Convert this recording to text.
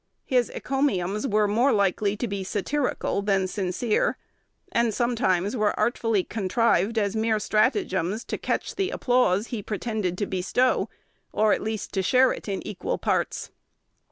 His encomiums were more likely to be satirical than sincere, and sometimes were artfully contrived as mere stratagems to catch the applause he pretended to bestow, or at least to share it in equal parts.